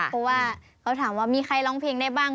เพราะว่าเขาถามว่ามีใครร้องเพลงได้บ้าง